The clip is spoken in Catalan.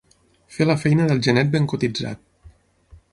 Fer la feina del genet ben cotitzat.